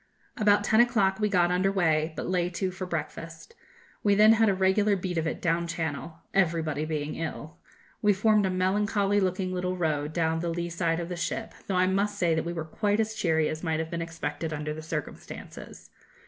About ten o'clock we got under way, but lay to for breakfast. We then had a regular beat of it down Channel everybody being ill. We formed a melancholy looking little row down the lee side of the ship, though I must say that we were quite as cheery as might have been expected under the circumstances.